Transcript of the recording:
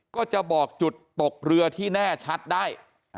ก็จะบอกจุดตกเรือที่แน่ชัดได้